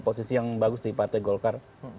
posisi yang bagus di partai golkar